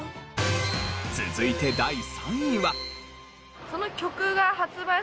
続いて第３位は。